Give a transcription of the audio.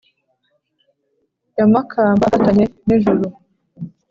ya makamba afatanye n' ijuru